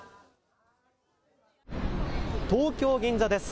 東京銀座です。